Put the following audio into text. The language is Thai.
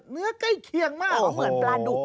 เนื้อใกล้เคียงมาก